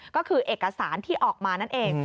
ก็คือเอกสารที่ออกมานั่นเอง